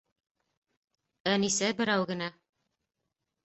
Әнисә берәү генә